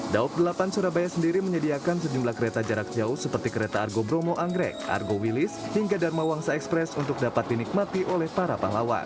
daob delapan surabaya sendiri menyediakan sejumlah kereta jarak jauh seperti kereta argo bromo anggrek argo wilis hingga dharma wangsa express untuk dapat dinikmati oleh para pahlawan